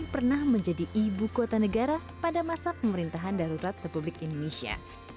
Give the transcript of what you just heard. pernah menjadi ibu kota negara pada masa pemerintahan darurat republik indonesia